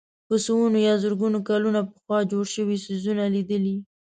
په سوونو یا زرګونو کلونه پخوا جوړ شوي څېزونه لیدلي.